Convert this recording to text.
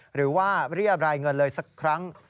หรือว่าเรียบรายเงินเลยสักครั้ง